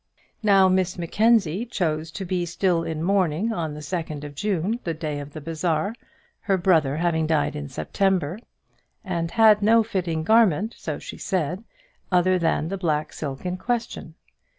Now Miss Mackenzie chose to be still in mourning on the second of June, the day of the bazaar, her brother having died in September, and had no fitting garment, so she said, other than the black silk in question.